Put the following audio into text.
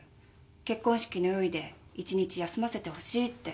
結婚式の用意で一日休ませてほしいって。